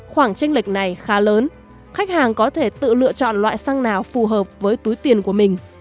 khoản tranh lệch này khá lớn khách hàng có thể tự lựa chọn loại xăng nào phù hợp với túi tiền của mình